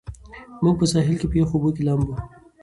موږ په ساحل کې په یخو اوبو کې لامبو کوو.